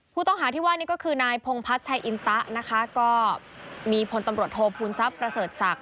ผู้ต้องหาที่ว่านี่ก็คือนายพงพัฒน์ชัยอินตะนะคะก็มีพลตำรวจโทษภูมิทรัพย์ประเสริฐศักดิ